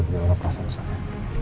bagaimana perasaan saya